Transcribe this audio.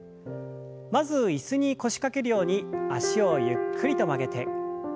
まず椅子に腰掛けるように脚をゆっくりと曲げて。